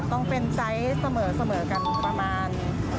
ต้องเป็นไซส์เสมอกันประมาณ